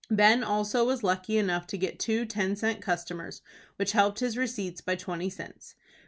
Ben also was lucky enough to get two ten cent customers, which helped his receipts by twenty cents.